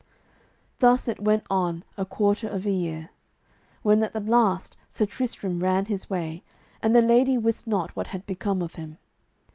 Thus it went on a quarter of a year, when at the last Sir Tristram ran his way, and the lady wist not what had become of him.